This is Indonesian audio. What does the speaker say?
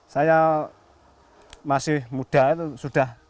saya masih muda itu sudah